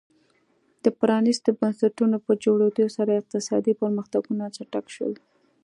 د پرانیستو بنسټونو په جوړېدو سره اقتصادي پرمختګونه چټک شول.